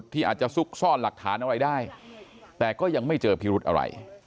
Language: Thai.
ที่อาจจะซุกซ่อนหลักฐานอะไรได้แต่ก็ยังไม่เจอพิรุธอะไร